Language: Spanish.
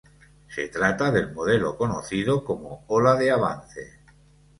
Se trata del modelo conocido como "ola de avance".